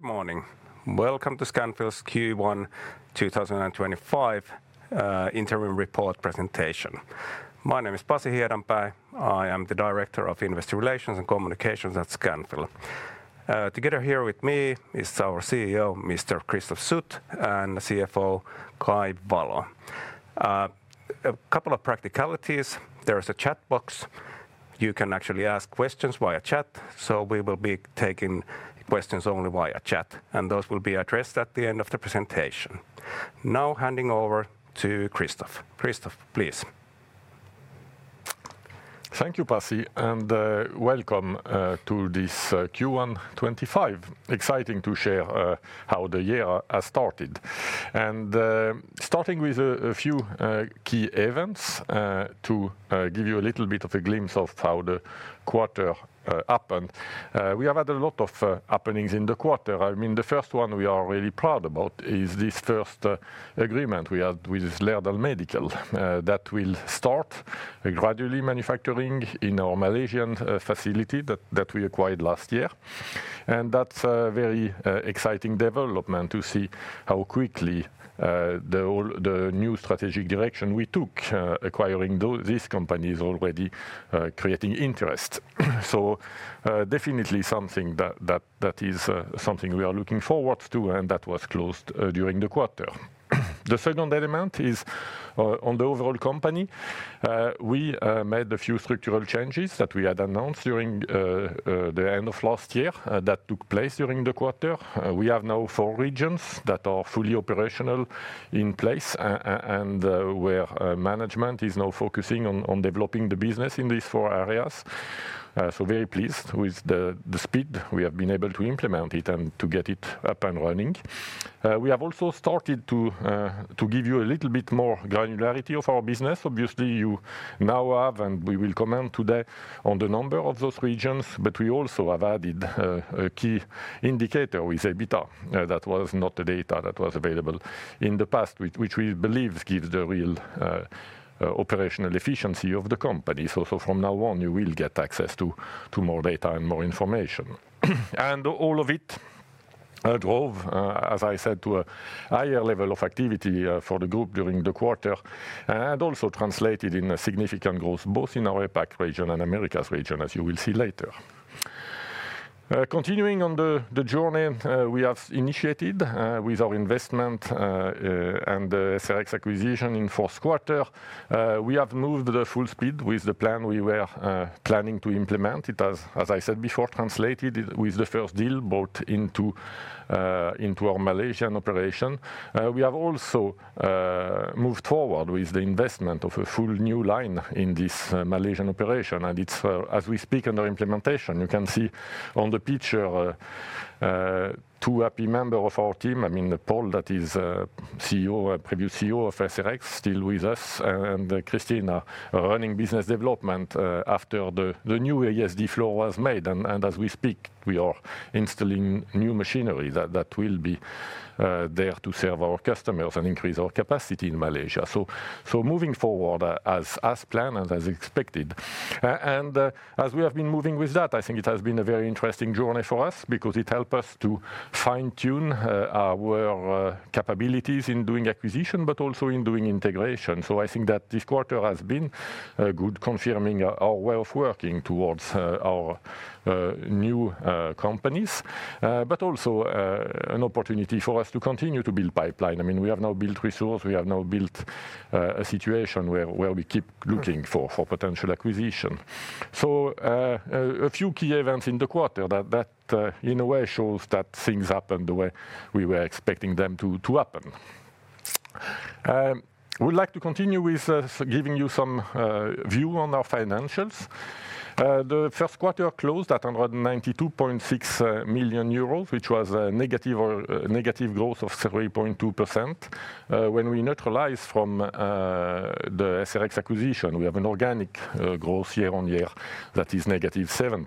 Good morning. Welcome to Scanfil Q1 2025 interim report presentation. My name is Pasi Hiedanpää. I am the Director of Investor Relations and Communications at Scanfil. Together here with me is our CEO, Mr. Christophe Sut, and CFO, Kai Valo. A couple of practicalities. There is a chat box. You can actually ask questions via chat. We will be taking questions only via chat, and those will be addressed at the end of the presentation. Now handing over to Christophe. Christophe, please. Thank you, Pasi, and welcome to this Q1 2025. Exciting to share how the year has started. Starting with a few key events to give you a little bit of a glimpse of how the quarter happened. We have had a lot of happenings in the quarter. I mean, the first one we are really proud about is this first agreement we had with Lerner Medical that will start gradually manufacturing in our Malaysian facility that we acquired last year. That is a very exciting development to see how quickly the new strategic direction we took acquiring these companies is already creating interest. Definitely something that is something we are looking forward to and that was closed during the quarter. The second element is on the overall company. We made a few structural changes that we had announced during the end of last year that took place during the quarter. We have now four regions that are fully operational in place and where management is now focusing on developing the business in these four areas. Very pleased with the speed we have been able to implement it and to get it up and running. We have also started to give you a little bit more granularity of our business. Obviously, you now have and we will comment today on the number of those regions, but we also have added a key indicator with EBITDA. That was not the data that was available in the past, which we believe gives the real operational efficiency of the company. From now on, you will get access to more data and more information. All of it drove, as I said, to a higher level of activity for the group during the quarter and also translated in a significant growth both in our APAC region and Americas region, as you will see later. Continuing on the journey we have initiated with our investment and SRX acquisition in the fourth quarter, we have moved full speed with the plan we were planning to implement. It has, as I said before, translated with the first deal brought into our Malaysian operation. We have also moved forward with the investment of a full new line in this Malaysian operation. As we speak under implementation, you can see on the picture two happy members of our team. I mean, Paul, that is CEO, previous CEO of SRX, still with us, and Christina, running business development after the new ESD floor was made. As we speak, we are installing new machinery that will be there to serve our customers and increase our capacity in Malaysia. Moving forward as planned and as expected. As we have been moving with that, I think it has been a very interesting journey for us because it helped us to fine-tune our capabilities in doing acquisition, but also in doing integration. I think that this quarter has been good, confirming our way of working towards our new companies, but also an opportunity for us to continue to build pipeline. I mean, we have now built resource. We have now built a situation where we keep looking for potential acquisition. A few key events in the quarter that in a way shows that things happened the way we were expecting them to happen. We'd like to continue with giving you some view on our financials. The first quarter closed at 192.6 million euros, which was a negative growth of 3.2%. When we neutralize from the SRX acquisition, we have an organic growth year on year that is negative 7%.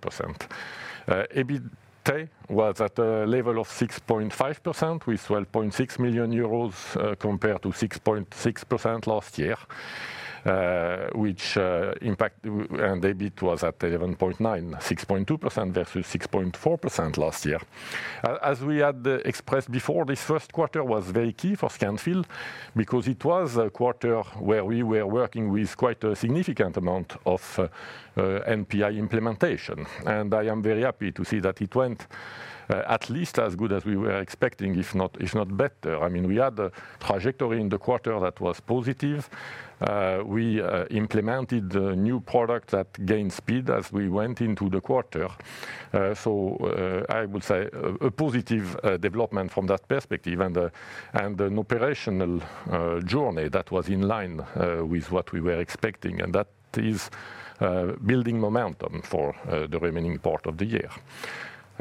EBITDA was at a level of 6.5% with 12.6 million euros compared to 6.6% last year, which impacted EBIT was at 11.9 million, 6.2% versus 6.4% last year. As we had expressed before, this first quarter was very key for Scanfil because it was a quarter where we were working with quite a significant amount of NPI implementation. I am very happy to see that it went at least as good as we were expecting, if not better. I mean, we had a trajectory in the quarter that was positive. We implemented the new product that gained speed as we went into the quarter. I would say a positive development from that perspective and an operational journey that was in line with what we were expecting. That is building momentum for the remaining part of the year.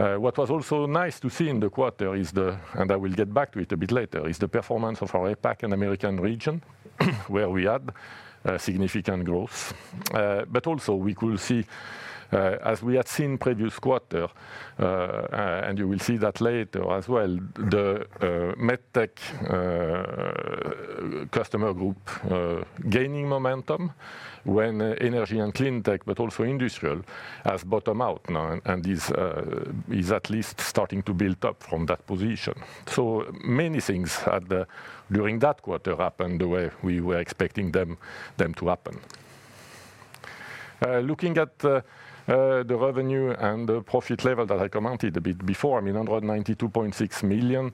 What was also nice to see in the quarter is the, and I will get back to it a bit later, is the performance of our APAC and Americas region where we had significant growth. Also, we could see, as we had seen previous quarter, and you will see that later as well, the Medtech customer group gaining momentum when Energy & Cleantech, but also Industrial, has bottomed out now and is at least starting to build up from that position. Many things during that quarter happened the way we were expecting them to happen. Looking at the revenue and the profit level that I commented a bit before, I mean, 192.6 million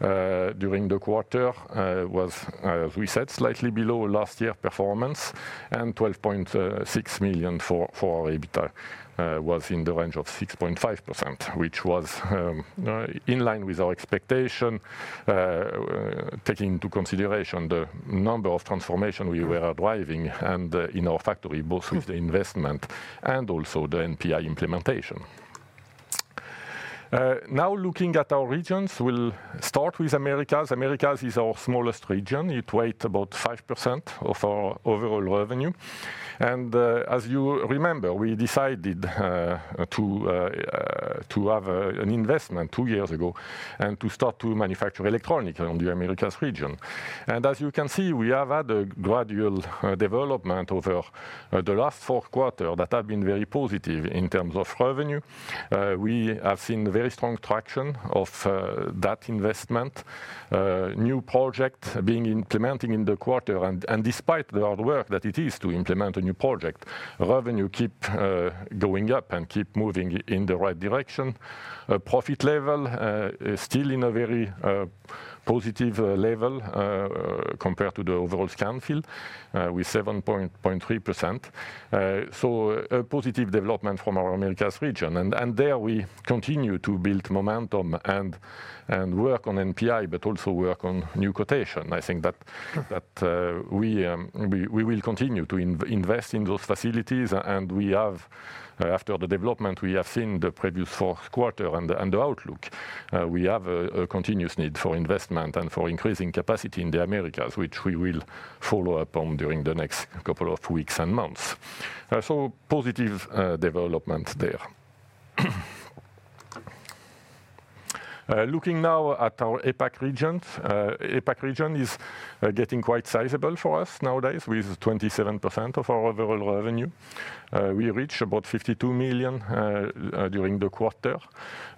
during the quarter was, as we said, slightly below last year's performance. And 12.6 million for our EBITDA was in the range of 6.5%, which was in line with our expectation, taking into consideration the number of transformations we were driving in our factory, both with the investment and also the NPI implementation. Now looking at our regions, we'll start with Americas. Americas is our smallest region. It weighs about 5% of our overall revenue. As you remember, we decided to have an investment two years ago and to start to manufacture electronics in the Americas region. As you can see, we have had a gradual development over the last four quarters that have been very positive in terms of revenue. We have seen a very strong traction of that investment, new projects being implemented in the quarter. Despite the hard work that it is to implement a new project, revenue keeps going up and keeps moving in the right direction. Profit level is still in a very positive level compared to the overall Scanfil with 7.3%. A positive development from our Americas region. There we continue to build momentum and work on NPI, but also work on new quotation. I think that we will continue to invest in those facilities. After the development, we have seen the previous four quarters and the outlook. We have a continuous need for investment and for increasing capacity in the Americas, which we will follow up on during the next couple of weeks and months. Positive developments there. Looking now at our APAC region, APAC region is getting quite sizable for us nowadays with 27% of our overall revenue. We reached about 52 million during the quarter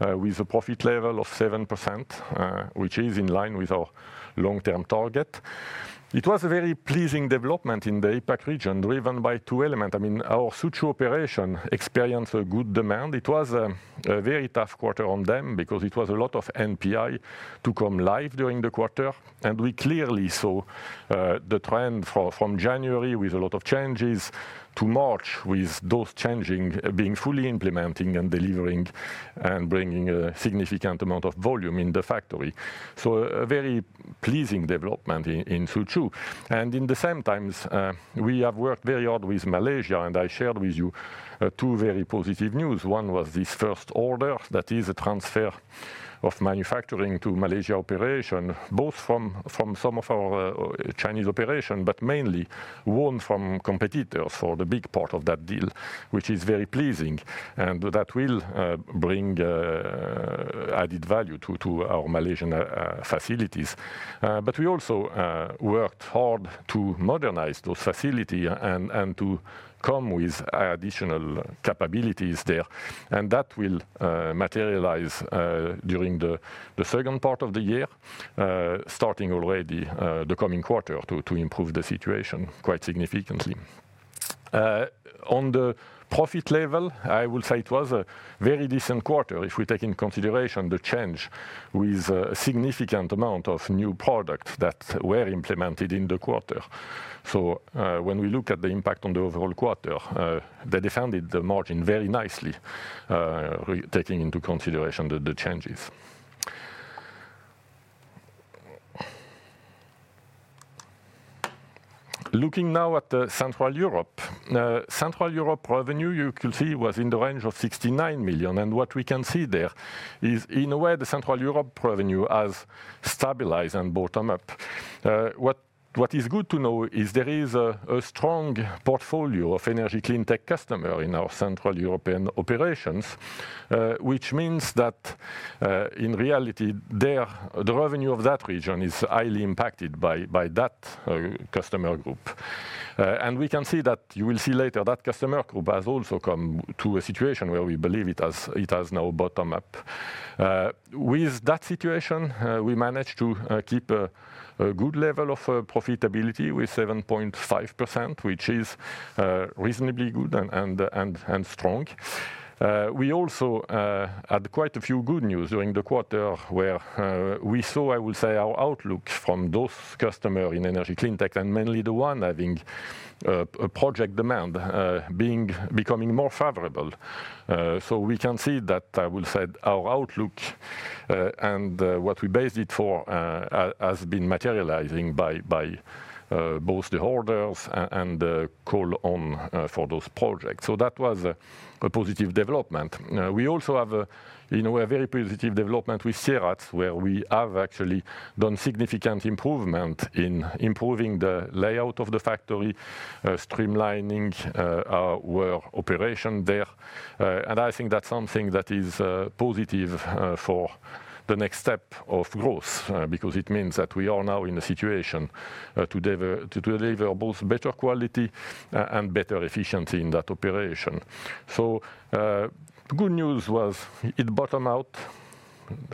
with a profit level of 7%, which is in line with our long-term target. It was a very pleasing development in the APAC region driven by two elements. I mean, our Suzhou operation experienced a good demand. It was a very tough quarter on them because it was a lot of NPI to come live during the quarter. I mean, we clearly saw the trend from January with a lot of changes to March with those changes being fully implementing and delivering and bringing a significant amount of volume in the factory. A very pleasing development in Suzhou. At the same time, we have worked very hard with Malaysia, and I shared with you two very positive news. One was this first order that is a transfer of manufacturing to Malaysia operation, both from some of our Chinese operations, but mainly won from competitors for the big part of that deal, which is very pleasing and that will bring added value to our Malaysian facilities. We also worked hard to modernize those facilities and to come with additional capabilities there. That will materialize during the second part of the year, starting already the coming quarter to improve the situation quite significantly. On the profit level, I will say it was a very decent quarter if we take into consideration the change with a significant amount of new products that were implemented in the quarter. When we look at the impact on the overall quarter, they defended the margin very nicely, taking into consideration the changes. Looking now at Central Europe, Central Europe revenue, you could see was in the range of 69 million. What we can see there is in a way the Central Europe revenue has stabilized and bottomed out. What is good to know is there is a strong portfolio of energy clean tech customers in our Central European operations, which means that in reality, the revenue of that region is highly impacted by that customer group. You will see later that customer group has also come to a situation where we believe it has now bottomed out. With that situation, we managed to keep a good level of profitability with 7.5%, which is reasonably good and strong. We also had quite a few good news during the quarter where we saw, I will say, our outlook from those customers in energy clean tech and mainly the one having a project demand becoming more favorable. We can see that, I will say, our outlook and what we based it for has been materializing by both the orders and the call on for those projects. That was a positive development. We also have a very positive development with Sieradz where we have actually done significant improvement in improving the layout of the factory, streamlining our operation there. I think that's something that is positive for the next step of growth because it means that we are now in a situation to deliver both better quality and better efficiency in that operation. Good news was it bottomed out,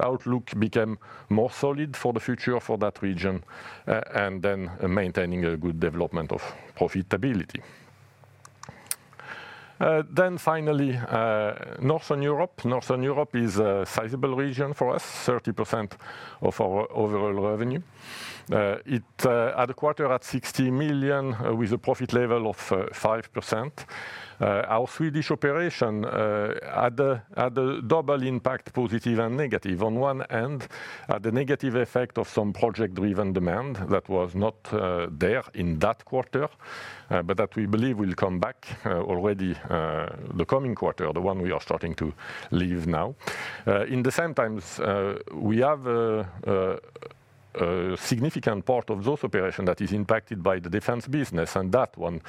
outlook became more solid for the future for that region, and then maintaining a good development of profitability. Finally, Northern Europe. Northern Europe is a sizable region for us, 30% of our overall revenue. It had a quarter at 60 million with a profit level of 5%. Our Swedish operation had a double impact, positive and negative. On one end, had a negative effect of some project-driven demand that was not there in that quarter, but that we believe will come back already the coming quarter, the one we are starting to leave now. In the same times, we have a significant part of those operations that is impacted by the defense business, and that one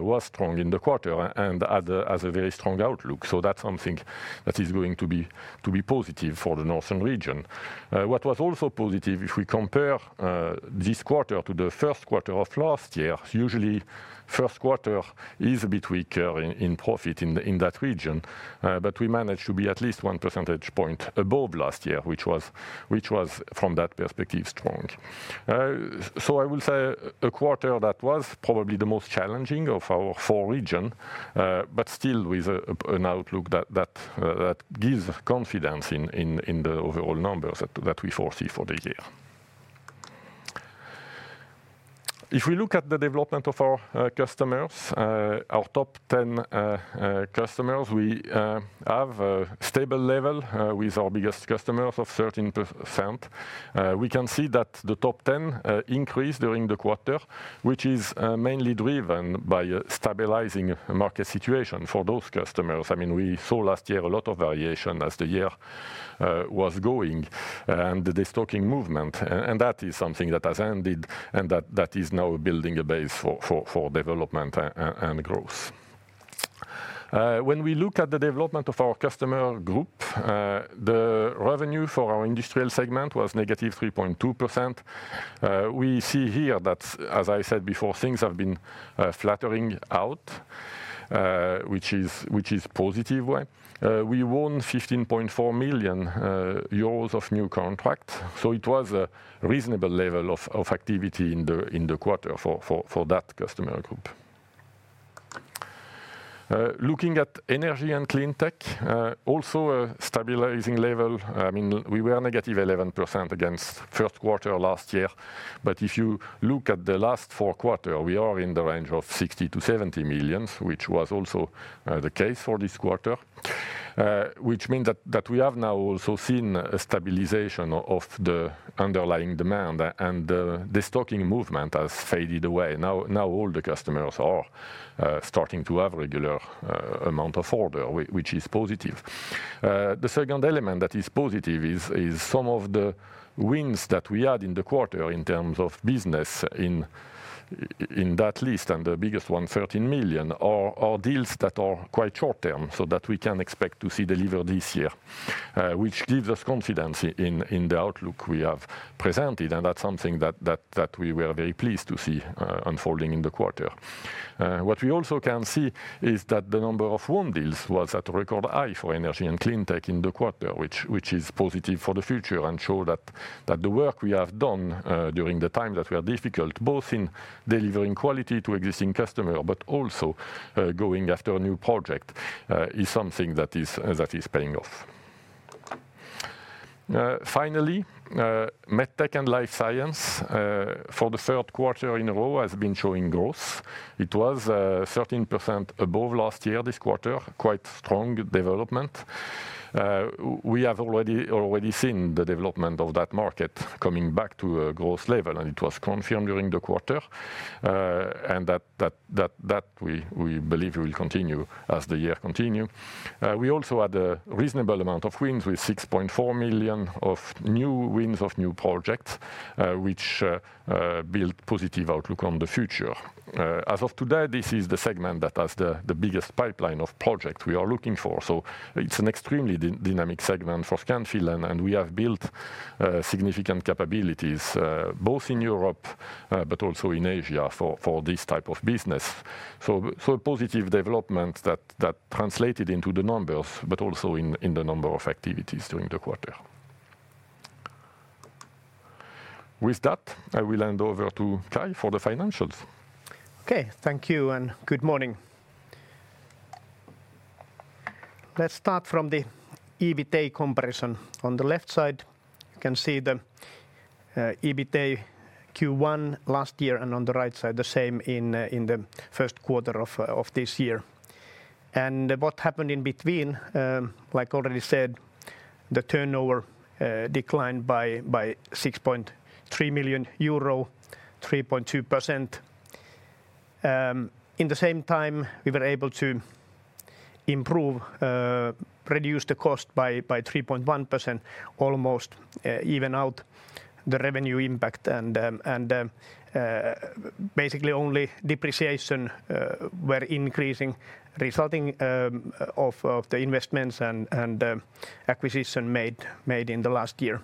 was strong in the quarter and had a very strong outlook. That is something that is going to be positive for the Northern region. What was also positive, if we compare this quarter to the first quarter of last year, usually first quarter is a bit weaker in profit in that region, but we managed to be at least one percentage point above last year, which was from that perspective strong. I will say a quarter that was probably the most challenging of our four region, but still with an outlook that gives confidence in the overall numbers that we foresee for the year. If we look at the development of our customers, our top 10 customers, we have a stable level with our biggest customers of 13%. We can see that the top 10 increased during the quarter, which is mainly driven by a stabilizing market situation for those customers. I mean, we saw last year a lot of variation as the year was going and the stocking movement. That is something that has ended and that is now building a base for development and growth. When we look at the development of our customer group, the revenue for our Industrial segment was negative 3.2%. We see here that, as I said before, things have been flattening out, which is a positive way. We won 15.4 million euros of new contracts. It was a reasonable level of activity in the quarter for that customer group. Looking at Energy & Cleantech, also a stabilizing level. I mean, we were negative 11% against first quarter last year. If you look at the last four quarters, we are in the range of 60 million-70 million, which was also the case for this quarter, which means that we have now also seen a stabilization of the underlying demand and the stocking movement has faded away. Now all the customers are starting to have a regular amount of order, which is positive. The second element that is positive is some of the wins that we had in the quarter in terms of business in that list, and the biggest one, 13 million, are deals that are quite short-term so that we can expect to see delivered this year, which gives us confidence in the outlook we have presented. That is something that we were very pleased to see unfolding in the quarter. What we also can see is that the number of won deals was at a record high for Energy & Cleantech in the quarter, which is positive for the future and shows that the work we have done during the time that were difficult, both in delivering quality to existing customers, but also going after a new project, is something that is paying off. Finally, Medtech & Life Science for the third quarter in a row has been showing growth. It was 13% above last year this quarter, quite strong development. We have already seen the development of that market coming back to a growth level, and it was confirmed during the quarter. That we believe will continue as the year continues. We also had a reasonable amount of wins with 6.4 million of new wins of new projects, which built positive outlook on the future. As of today, this is the segment that has the biggest pipeline of projects we are looking for. It is an extremely dynamic segment for Scanfil, and we have built significant capabilities both in Europe but also in Asia for this type of business. Positive development that translated into the numbers, but also in the number of activities during the quarter. With that, I will hand over to Kai for the financials. Okay, thank you and good morning. Let's start from the EBITDA comparison on the left side. You can see the EBITDA Q1 last year and on the right side the same in the first quarter of this year. What happened in between, like already said, the turnover declined by 6.3 million euro, 3.2%. In the same time, we were able to improve, reduce the cost by 3.1%, almost even out the revenue impact. Basically, only depreciation were increasing, resulting in the investments and acquisitions made in the last year.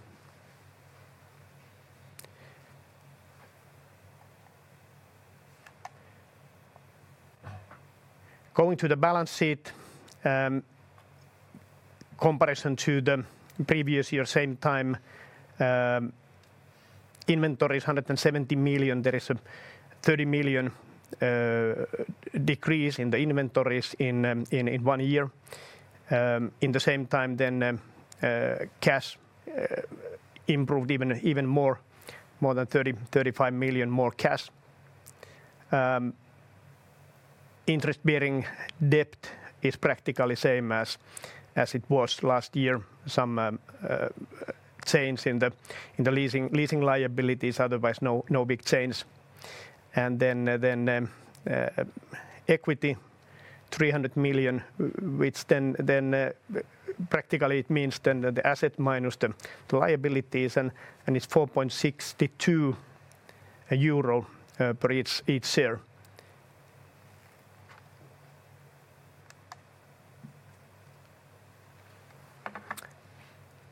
Going to the balance sheet, comparison to the previous year, same time, inventory is 170 million. There is a 30 million decrease in the inventories in one year. In the same time, then cash improved even more, more than 30 million-35 million more cash. Interest-bearing debt is practically the same as it was last year. Some change in the leasing liabilities, otherwise no big change. Equity, 300 million, which then practically means the asset minus the liabilities, and it's 4.62 euro per each share.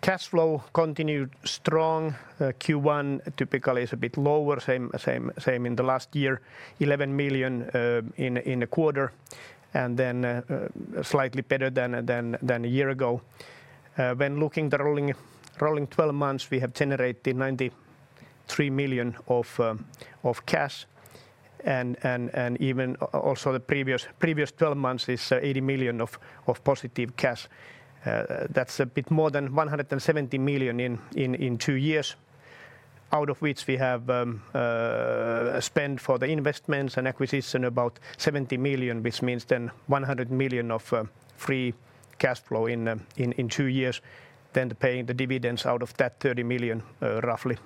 Cash flow continued strong. Q1 typically is a bit lower, same in the last year, 11 million in the quarter, and then slightly better than a year ago. When looking at the rolling 12 months, we have generated 93 million of cash. Even also the previous 12 months is 80 million of positive cash. That's a bit more than 170 million in two years, out of which we have spent for the investments and acquisition about 70 million, which means then 100 million of free cash flow in two years, then paying the dividends out of that 30 million roughly.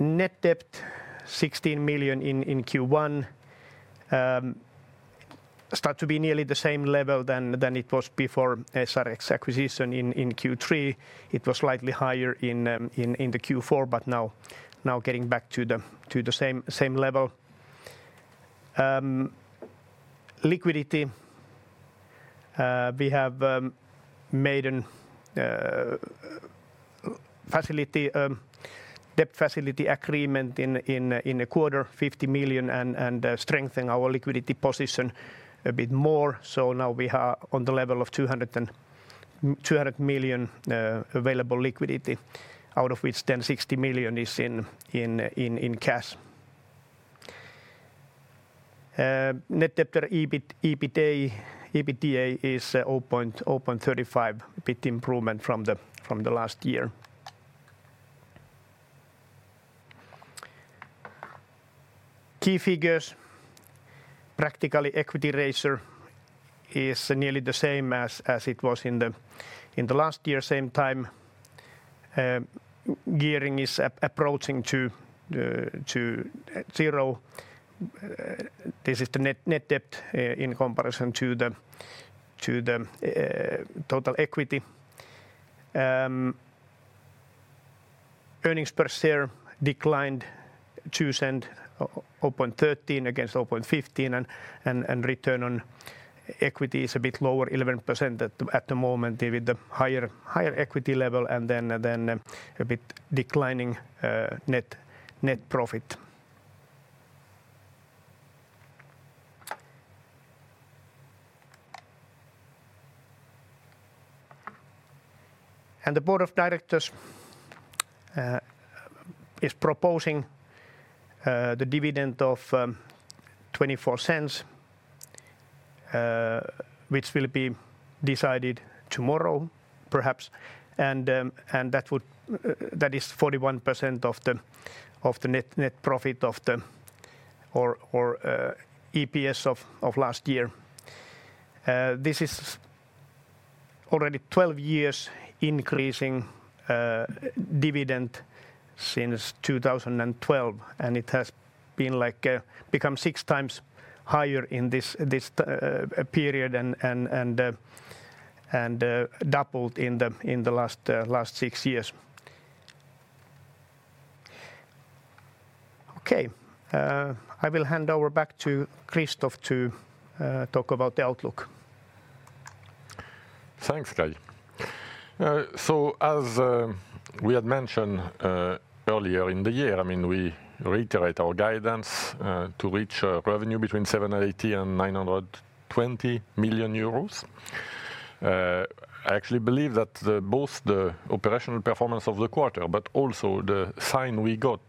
Net debt, 16 million in Q1, starts to be nearly the same level than it was before SRX acquisition in Q3. It was slightly higher in Q4, but now getting back to the same level. Liquidity, we have made a debt facility agreement in the quarter, 50 million, and strengthened our liquidity position a bit more. Now we are on the level of 200 million available liquidity, out of which then 60 million is in cash. Net debt per EBITDA is 0.35, a bit improvement from last year. Key figures, practically equity ratio is nearly the same as it was in the last year, same time. Gearing is approaching to zero. This is the net debt in comparison to the total equity. Earnings per share declined 0.13 against 0.15, and return on equity is a bit lower, 11% at the moment with the higher equity level and then a bit declining net profit. The Board of Directors is proposing the dividend of 0.24, which will be decided tomorrow perhaps. That is 41% of the net profit of the EPS of last year. This is already 12 years increasing dividend since 2012, and it has become six times higher in this period and doubled in the last six years. Okay, I will hand over back to Christophe to talk about the outlook. Thanks, Kai. As we had mentioned earlier in the year, I mean, we reiterate our guidance to reach revenue between 780 million and 920 million euros. I actually believe that both the operational performance of the quarter, but also the sign we got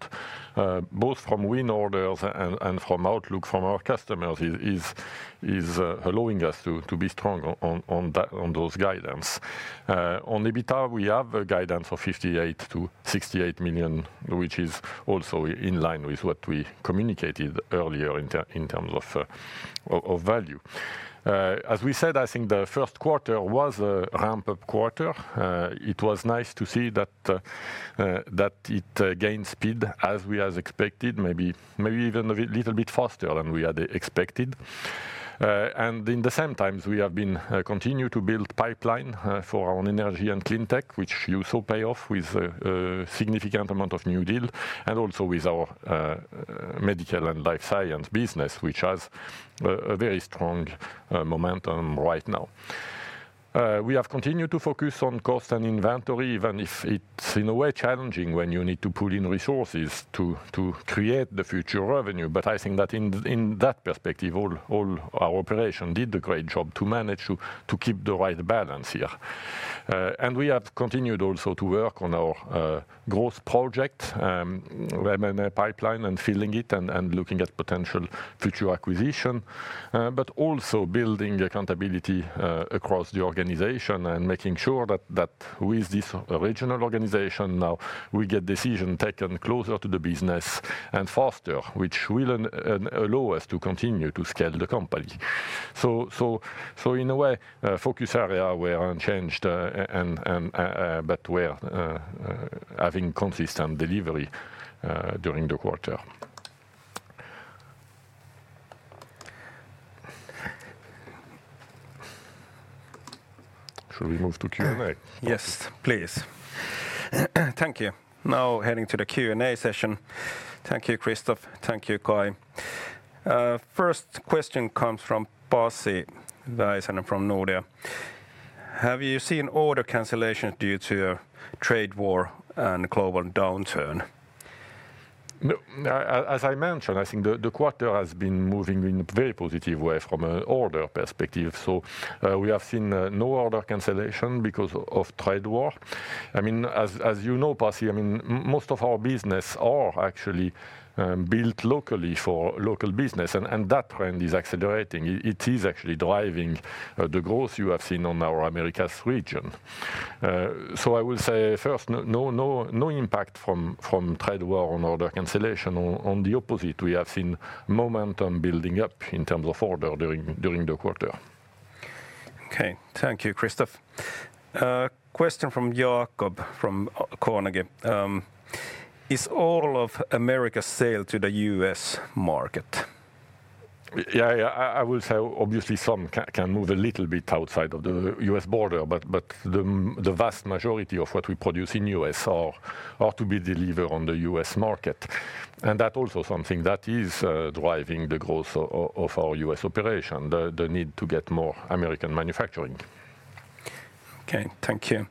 both from win orders and from outlook from our customers is allowing us to be strong on those guidance. On EBITDA, we have a guidance of 58 million-68 million, which is also in line with what we communicated earlier in terms of value. As we said, I think the first quarter was a ramp-up quarter. It was nice to see that it gained speed as we had expected, maybe even a little bit faster than we had expected. At the same time, we have been continuing to build pipeline for our Energy & Cleantech, which you saw pay off with a significant amount of new deal and also with our medical and life science business, which has a very strong momentum right now. We have continued to focus on cost and inventory, even if it's in a way challenging when you need to pull in resources to create the future revenue. I think that in that perspective, all our operation did a great job to manage to keep the right balance here. We have continued also to work on our growth project, pipeline and filling it and looking at potential future acquisition, but also building accountability across the organization and making sure that with this original organization now we get decisions taken closer to the business and faster, which will allow us to continue to scale the company. In a way, focus area were unchanged, but we're having consistent delivery during the quarter. Shall we move to Q&A? Yes, please. Thank you. Now heading to the Q&A session. Thank you, Christophe. Thank you, Kai. First question comes from Pasi Väisänen from Nordea. Have you seen order cancellations due to trade war and global downturn? As I mentioned, I think the quarter has been moving in a very positive way from an order perspective. We have seen no order cancellation because of trade war. I mean, as you know, Pasi, I mean, most of our business are actually built locally for local business, and that trend is accelerating. It is actually driving the growth you have seen on our Americas region. I will say first, no impact from trade war on order cancellation. On the opposite, we have seen momentum building up in terms of order during the quarter. Okay, thank you, Christophe. Question from Jakob from Carnegie. Is all of Americas sale to the U.S. market? Yeah, I will say obviously some can move a little bit outside of the US border, but the vast majority of what we produce in the US are to be delivered on the US market. That is also something that is driving the growth of our US operation, the need to get more American manufacturing. Okay, thank you.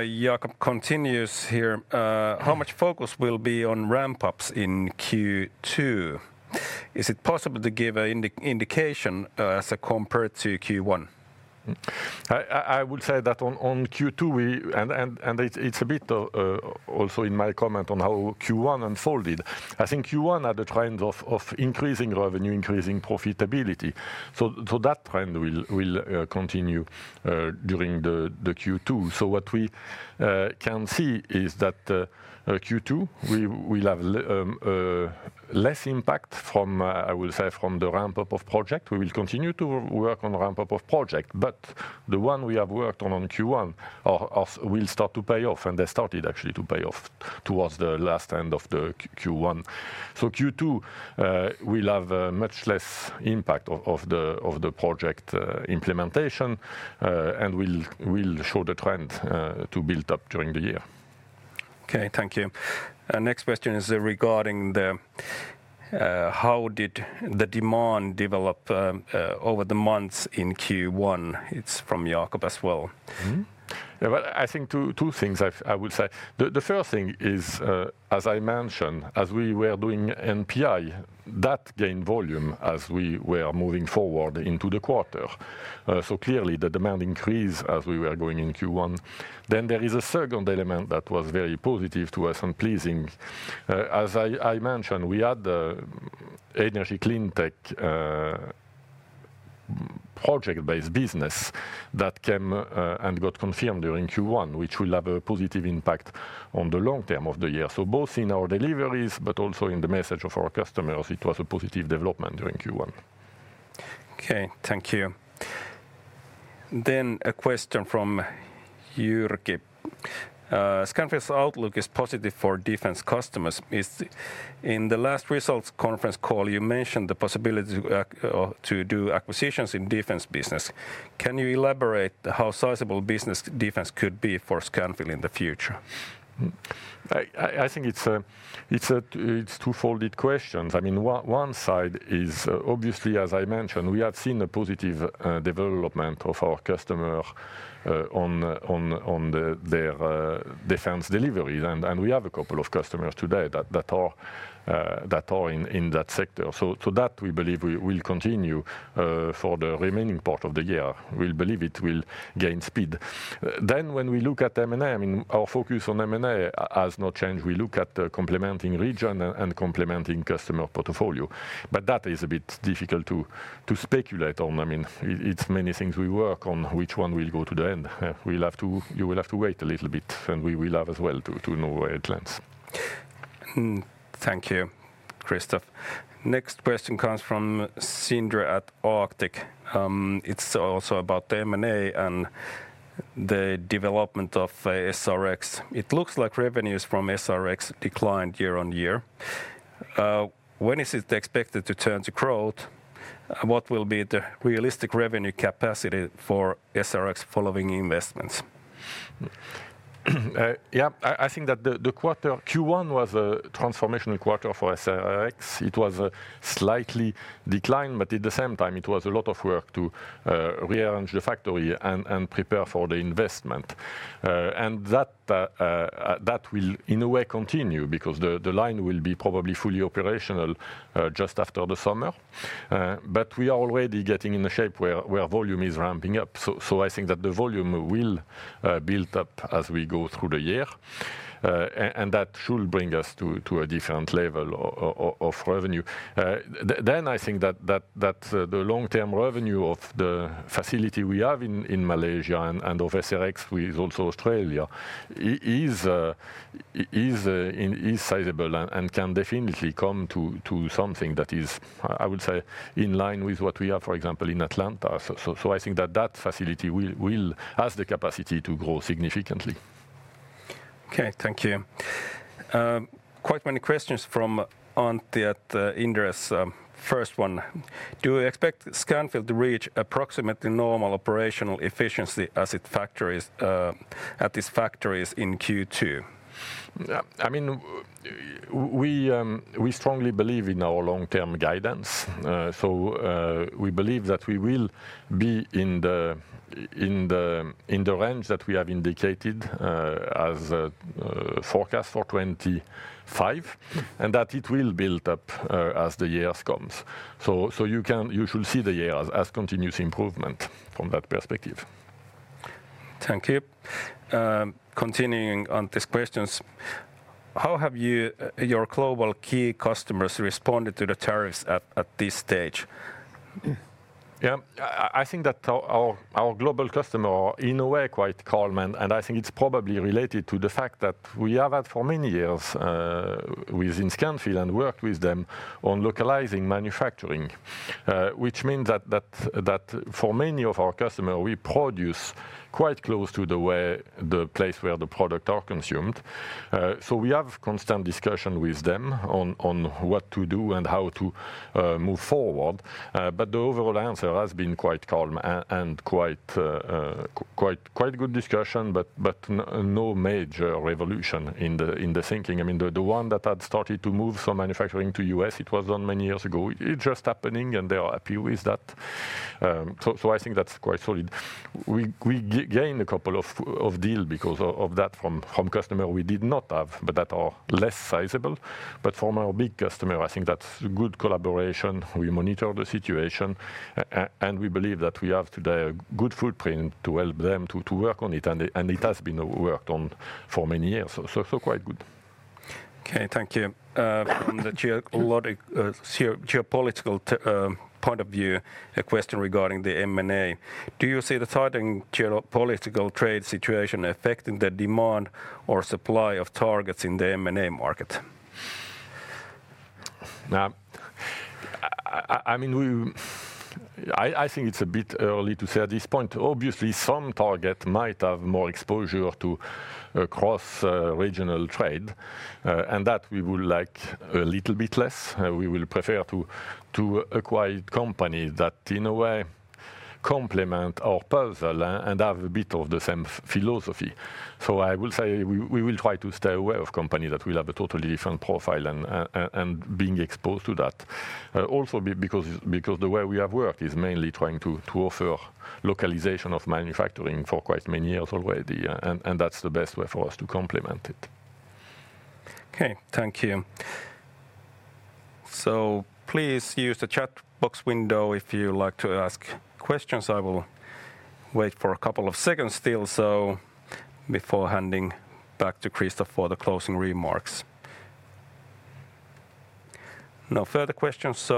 Jakob continues here. How much focus will be on ramp-ups in Q2? Is it possible to give an indication as a comparator to Q1? I will say that on Q2, and it's a bit also in my comment on how Q1 unfolded. I think Q1 had a trend of increasing revenue, increasing profitability. That trend will continue during Q2. What we can see is that Q2 we will have less impact from, I will say, from the ramp-up of project. We will continue to work on the ramp-up of project, but the one we have worked on on Q1 will start to pay off, and they started actually to pay off towards the last end of Q1. Q2 will have much less impact of the project implementation, and will show the trend to build up during the year. Okay, thank you. Next question is regarding how did the demand develop over the months in Q1. It's from Jakob as well. I think two things I would say. The first thing is, as I mentioned, as we were doing NPI, that gained volume as we were moving forward into the quarter. Clearly the demand increased as we were going in Q1. There is a second element that was very positive to us and pleasing. As I mentioned, we had the energy clean tech project-based business that came and got confirmed during Q1, which will have a positive impact on the long term of the year. Both in our deliveries, but also in the message of our customers, it was a positive development during Q1. Okay, thank you. A question from Jyrki. Scanfil's outlook is positive for defense customers. In the last results conference call, you mentioned the possibility to do acquisitions in defense business. Can you elaborate how sizable business defense could be for Scanfil in the future? I think it's a twofold question. I mean, one side is obviously, as I mentioned, we have seen a positive development of our customer on their defense deliveries, and we have a couple of customers today that are in that sector. That we believe will continue for the remaining part of the year. We believe it will gain speed. When we look at M&A, I mean, our focus on M&A has not changed. We look at complementing region and complementing customer portfolio, but that is a bit difficult to speculate on. I mean, it's many things we work on, which one will go to the end. You will have to wait a little bit, and we will have as well to know where it lands. Thank you, Christophe. Next question comes from Sindre at Arctic. It's also about M&A and the development of SRX. It looks like revenues from SRX declined year on year. When is it expected to turn to growth? What will be the realistic revenue capacity for SRX following investments? Yeah, I think that the Q1 was a transformational quarter for SRX. It was a slight decline, but at the same time, it was a lot of work to rearrange the factory and prepare for the investment. That will in a way continue because the line will be probably fully operational just after the summer. We are already getting in a shape where volume is ramping up. I think that the volume will build up as we go through the year, and that should bring us to a different level of revenue. I think that the long-term revenue of the facility we have in Malaysia and of SRX with also Australia is sizable and can definitely come to something that is, I would say, in line with what we have, for example, in Atlanta. I think that that facility will have the capacity to grow significantly. Okay, thank you. Quite many questions from Antti at Inderes. First one. Do you expect Scanfil to reach approximately normal operational efficiency at its factories in Q2? I mean, we strongly believe in our long-term guidance. We believe that we will be in the range that we have indicated as forecast for 2025 and that it will build up as the years come. You should see the year as continuous improvement from that perspective. Thank you. Continuing on these questions, how have your global key customers responded to the tariffs at this stage? Yeah, I think that our global customers are in a way quite calm, and I think it's probably related to the fact that we have had for many years within Scanfil and worked with them on localizing manufacturing, which means that for many of our customers, we produce quite close to the place where the products are consumed. We have constant discussion with them on what to do and how to move forward. The overall answer has been quite calm and quite good discussion, but no major revolution in the thinking. I mean, the one that had started to move some manufacturing to the US, it was done many years ago. It's just happening, and they are happy with that. I think that's quite solid. We gained a couple of deals because of that from customers we did not have, but that are less sizable. From our big customers, I think that's good collaboration. We monitor the situation, and we believe that we have today a good footprint to help them to work on it, and it has been worked on for many years. Quite good. Okay, thank you. From the geopolitical point of view, a question regarding the M&A. Do you see the tightening geopolitical trade situation affecting the demand or supply of targets in the M&A market? I mean, I think it's a bit early to say at this point. Obviously, some targets might have more exposure to cross-regional trade, and that we would like a little bit less. We will prefer to acquire companies that in a way complement our puzzle and have a bit of the same philosophy. I will say we will try to stay away from companies that will have a totally different profile and being exposed to that. Also because the way we have worked is mainly trying to offer localization of manufacturing for quite many years already, and that is the best way for us to complement it. Okay, thank you. Please use the chatbox window if you'd like to ask questions. I will wait for a couple of seconds still before handing back to Christophe for the closing remarks. No further questions,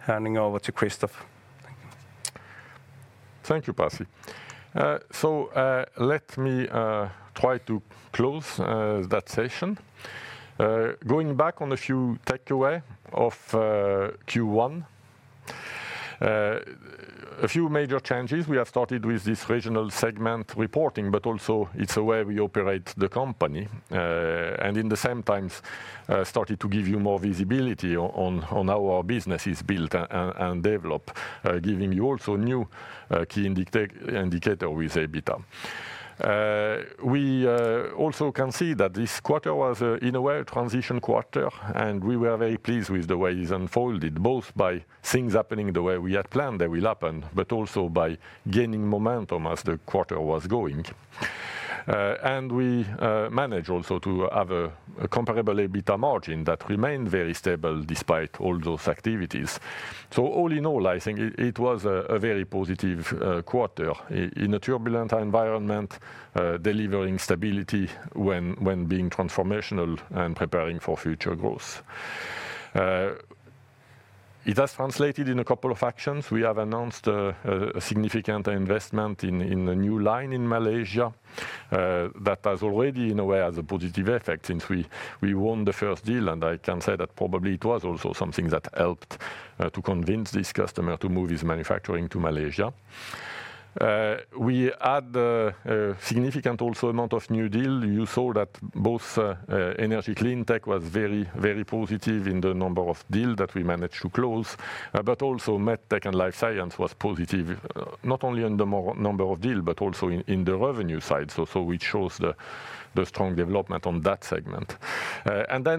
handing over to Christophe. Thank you, Pasi. Let me try to close that session. Going back on a few takeaways of Q1, a few major changes. We have started with this regional segment reporting, but also it's a way we operate the company. At the same time, started to give you more visibility on how our business is built and developed, giving you also new key indicators with EBITDA. We also can see that this quarter was in a way a transition quarter, and we were very pleased with the way it unfolded, both by things happening the way we had planned they will happen, but also by gaining momentum as the quarter was going. We managed also to have a comparable EBITDA margin that remained very stable despite all those activities. All in all, I think it was a very positive quarter in a turbulent environment, delivering stability when being transformational and preparing for future growth. It has translated in a couple of actions. We have announced a significant investment in a new line in Malaysia that has already in a way had a positive effect since we won the first deal, and I can say that probably it was also something that helped to convince this customer to move his manufacturing to Malaysia. We had a significant also amount of new deals. You saw that both energy clean tech was very, very positive in the number of deals that we managed to close, but also med tech and life science was positive, not only in the number of deals, but also in the revenue side. It shows the strong development on that segment.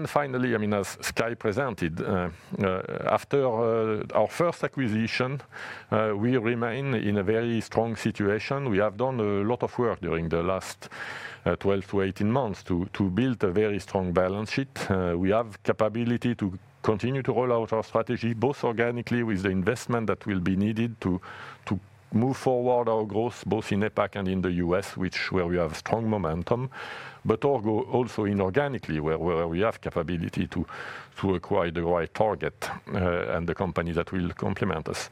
Finally, I mean, as Kai presented, after our first acquisition, we remain in a very strong situation. We have done a lot of work during the last 12 to 18 months to build a very strong balance sheet. We have the capability to continue to roll out our strategy, both organically with the investment that will be needed to move forward our growth, both in APAC and in the US, where we have strong momentum, but also inorganically, where we have the capability to acquire the right target and the company that will complement us.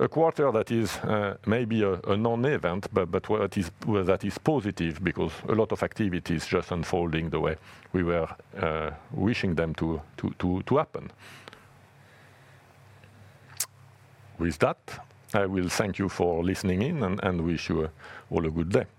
A quarter that is maybe a non-event, but that is positive because a lot of activity is just unfolding the way we were wishing them to happen. With that, I will thank you for listening in and wish you all a good day.